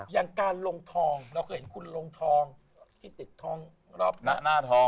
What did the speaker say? อย่างการลงทองเราเคยเห็นคุณลงทอง